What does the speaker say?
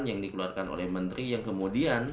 yang dikeluarkan oleh menteri yang kemudian